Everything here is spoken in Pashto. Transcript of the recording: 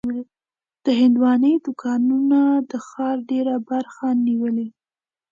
د هندوانو دوکانونه د ښار ډېره برخه نیولې.